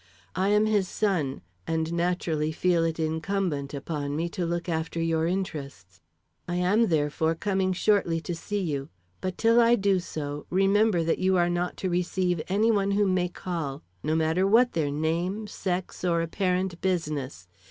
I am his son and naturally feel it incumbent upon me to look after your interests. I am therefore, coming shortly to see you; but till I do so, remember that you are not to receive any one who may call, no matter what their name, sex, or apparent business.